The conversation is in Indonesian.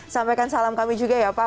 sampaikan salam kami juga ya pak